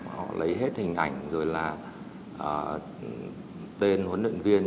họ lấy hết hình ảnh rồi là tên huấn luyện viên